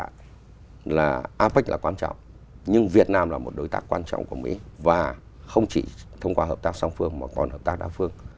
chúng ta có thể nói rằng là apec là quan trọng nhưng việt nam là một đối tác quan trọng của mỹ và không chỉ thông qua hợp tác song phương mà còn hợp tác đa phương